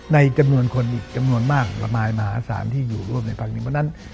ในจำนวนคนอีกจำนวนมากละมายมหาศาลที่อยู่ร่วมในพักหนึ่งเพราะฉะนั้น